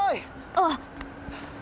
あっ。